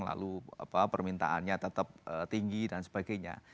lalu permintaannya tetap tinggi dan sebagainya